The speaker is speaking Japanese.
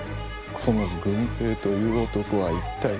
この「郡平」という男は一体。